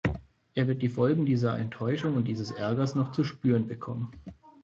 Er wird die Folgen dieser Enttäuschung und dieses Ärgers noch zu spüren bekommen.